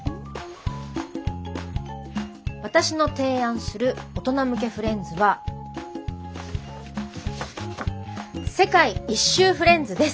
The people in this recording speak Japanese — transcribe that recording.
私の提案する大人向けフレンズは世界一周フレンズです。